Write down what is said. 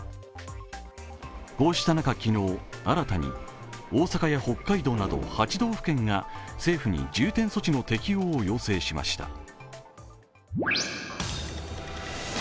こうした中、昨日、新たに大阪や北海道など８道府県が政府に重点措置の適用を要請しました。